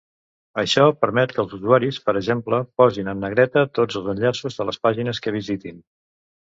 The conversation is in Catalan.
Això permet que els usuaris, per exemple, posin en negreta tots els enllaços de les pàgines que visitin.